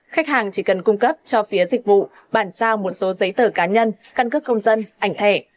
khách hàng chỉ cần cung cấp cho phía dịch vụ bản sao một số giấy tờ cá nhân căn cước công dân ảnh thẻ